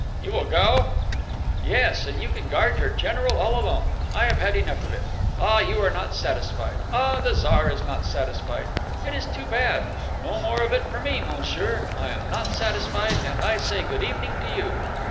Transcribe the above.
"You will go?" "Yes, and you can guard your general all alone. I have had enough of it. Ah, you are not satisfied! Ah, the Tsar is not satisfied! It is too bad. No more of it for me. Monsieur, I am not satisfied, and I say Good evening to you.